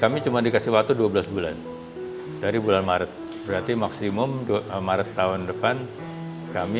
kami yang akan membuat sampel sampel yang bisa dimanfaatkan untuk pengujian sampel sampel dari pasien terduga covid sembilan belas